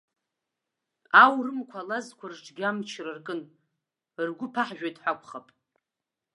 Аурымқәа алазқәа рҿгьы амчра ркын, ргәы ԥаҳжәоит ҳәа акәхап.